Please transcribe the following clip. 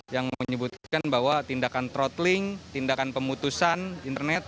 yang menyebutkan bahwa tindakan throttling tindakan pemutusan internet